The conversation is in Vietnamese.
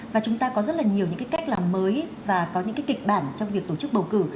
và chúng ta có rất nhiều cách làm mới và có những kịch bản trong việc tổ chức bầu cử